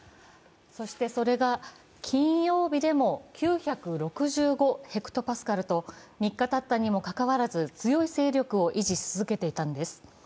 そしてそれが金曜日でも９６５ｈＰａと３日たったにもかかわらず、強い勢力を維持し続けていたんです。